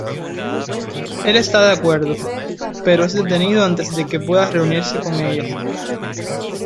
Él está de acuerdo, pero es detenido antes de que pueda reunirse con ella.